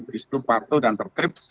disitu patuh dan tertrip